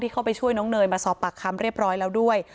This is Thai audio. เข้าไปช่วยน้องเนยมาสอบปากคำเรียบร้อยแล้วด้วย